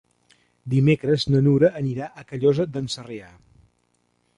Dimecres na Nura anirà a Callosa d'en Sarrià.